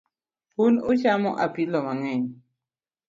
Un uchamo apilo mangeny